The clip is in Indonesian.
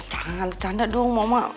jangan bercanda dong mama